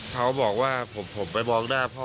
เขาบอกว่าผมไปมองหน้าพ่อ